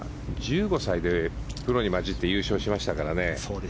１５歳でプロに交じって優勝しましたからね。